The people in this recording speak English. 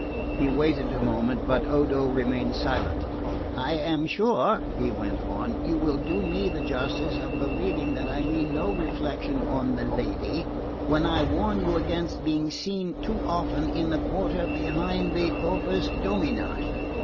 He waited a moment, but Odo remained silent. "I am sure," he went on, "you will do me the justice of believing that I mean no reflection on the lady, when I warn you against being seen too often in the quarter behind the Corpus Domini.